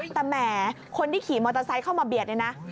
แต่แหมคนที่ขี่มอเตอร์ไซค์เข้ามาเบียดเนี่ยนะ